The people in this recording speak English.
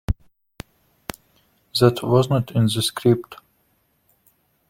That wasn't in the script.